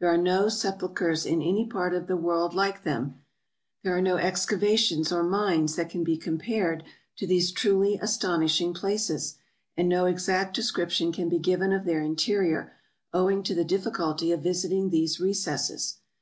There are no sepulchers in any part of the world like them ; there are no excavations or mines that can be compared to these truly astonishing places ; and no exact description can be given of their interior, owing to the difficulty of visiting these recesses.